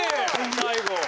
最後。